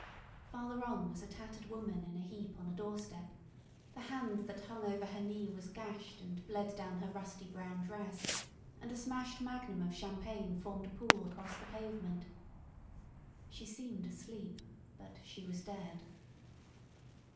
Farther on was a tattered woman in a heap on a doorstep; the hand that hung over her knee was gashed and bled down her rusty brown dress, and a smashed magnum of champagne formed a pool across the pavement. She seemed asleep, but she was dead.